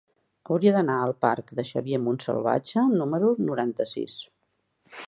Hauria d'anar al parc de Xavier Montsalvatge número noranta-sis.